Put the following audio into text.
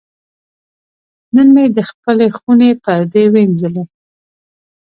نن مې د خپلې خونې پردې وینځلې.